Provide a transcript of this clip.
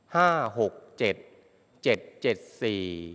ห้าหกเจ็ดเจ็ดเจ็ดสี่